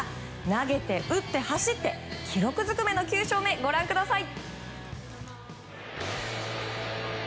投げて打って走って記録ずくめの９勝目ご覧ください。